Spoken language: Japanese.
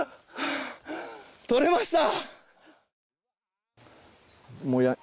とれました！